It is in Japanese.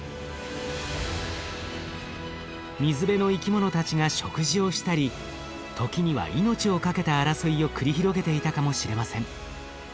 水辺の生き物たちが食事をしたり時には命をかけた争いを繰り広げていたかもしれません。